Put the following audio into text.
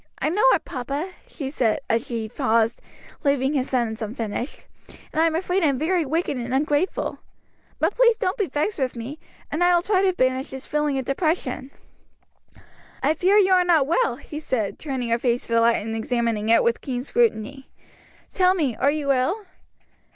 I know it, papa," she said, as he paused, leaving his sentence unfinished, "and I'm afraid I'm very wicked and ungrateful. But please don't be vexed with me, and I will try to banish this feeling of depression." "I fear you are not well," he said, turning her face to the light and examining it with keen scrutiny; "tell me, are you ill?"